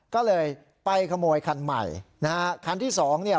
ก็เลยไปขโมยคันใหม่นะฮะคันที่สองเนี่ย